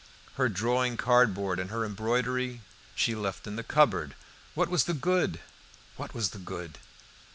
Her drawing cardboard and her embroidery she left in the cupboard. What was the good? What was the good?